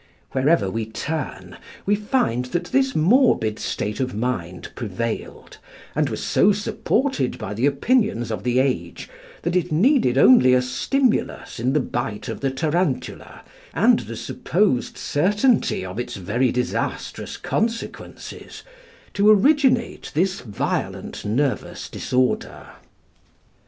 Wherever we turn, we find that this morbid state of mind prevailed, and was so supported by the opinions of the age, that it needed only a stimulus in the bite of the tarantula, and the supposed certainty of its very disastrous consequences, to originate this violent nervous disorder.